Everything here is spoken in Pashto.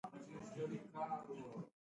ولې بیا هم د سکندر دې خدمت په درناوي خلکو دی.